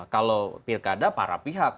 kalau pilkada para pihak